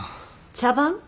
茶番？